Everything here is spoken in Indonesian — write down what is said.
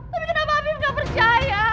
tapi kenapa abim gak percaya